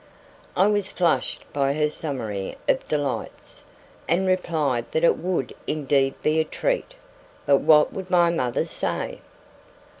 I was flushed by her summary of delights, and replied that it would indeed be a treat, but what would my mother say?